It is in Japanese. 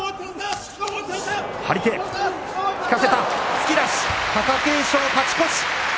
突き出し貴景勝、勝ち越し。